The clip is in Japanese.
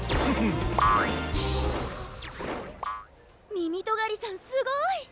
みみとがりさんすごい！